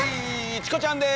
チコちゃんです！